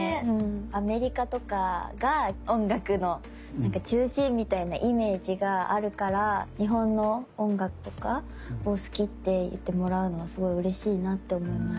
アメリカとかが音楽の中心みたいなイメージがあるから日本の音楽とかを好きって言ってもらうのはすごいうれしいなって思います。